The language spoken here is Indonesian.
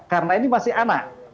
karena ini masih anak